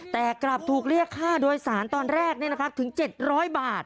แต่กลับถูกเรียกค่าโดยสารตอนแรกถึง๗๐๐บาท